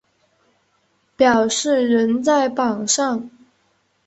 表示仍在榜上